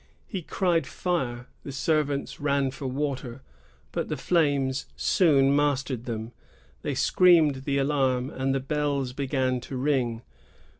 He cried fire ! the servants ran for water; but the flames soon mastered them; they screamed the alarm, and the bells began to ring.